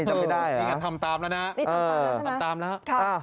จำให้ได้หรอทำตามแล้วนะเอ่อทำตามแล้วครับอ่า